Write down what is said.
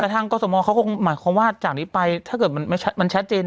ถ้าเกิดมันแชทเจนดูแจ้ง